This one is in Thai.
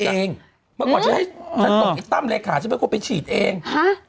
ฉีดเองเมื่อก่อนฉันตกอีกตั้มเลยค่ะฉันไม่ควรไปฉีดเอง